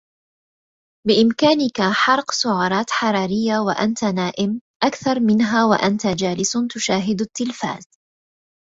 بإمكانك حرق سعرات حرارية وأنت نائم أكثر منها وانت جالس تشاهد التلفاز.